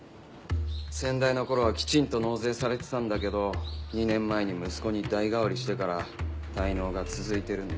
先代の頃はきちんと納税されてたんだけど２年前に息子に代替わりしてから滞納が続いてるんだ。